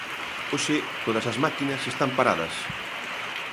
Hoxe todas as máquinas están paradas.